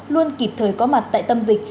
luôn kịp thời có mặt tại tâm dịch